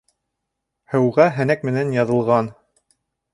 Һыуға һәнәк менән яҙылған.